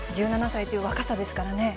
１７歳という若さですからね。